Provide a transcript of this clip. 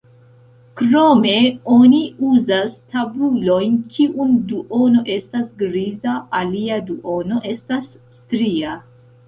Krome oni uzas tabulojn, kiun duono estas griza, alia duono estas stria.